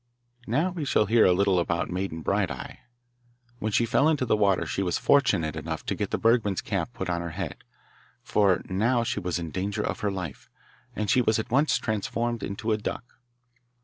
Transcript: Now we shall hear a little about Maiden Bright eye When she fell into the water she was fortunate enough to get the bergman's cap put on her head, for now she was in danger of her life, and she was at once transformed into a duck.